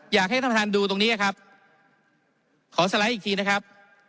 อยากให้ท่านประธานดูตรงนี้ครับขอสไลด์อีกทีนะครับ